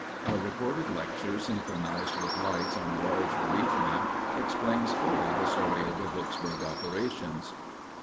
A recorded lecture synchronized with lights on a large relief map explains fully the story of the Vicksburg operations.